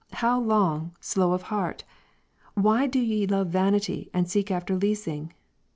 How long, slow of heart ? why do ye love vanity, and seek after leasing